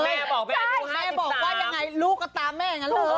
แม่บอกว่ายังไงลูกก็ตามแม่อย่างนั้นเลย